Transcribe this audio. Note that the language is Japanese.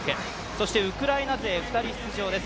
そしてウクライナ勢２人出場です。